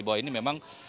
bahwa ini memang